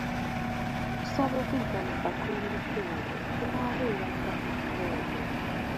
Okusaba okuyita mu katundutundu kunaaberanga ku ffoomu.